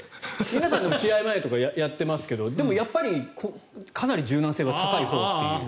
皆さん試合前とかにやっていますがでも、やっぱりかなり柔軟性は高いほうという。